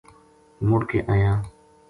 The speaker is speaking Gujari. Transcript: مڑ کے آیا